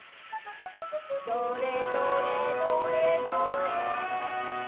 「どれどれどれどれ」